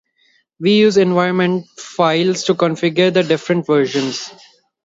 We use environment files to configure the different versions